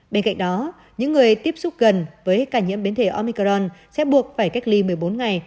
bên cạnh đó những người tiếp xúc gần với ca nhiễm biến thể omicron sẽ buộc phải cách ly một mươi bốn ngày